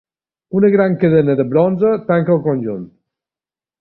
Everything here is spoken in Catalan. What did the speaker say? Una gran cadena de bronze tanca el conjunt.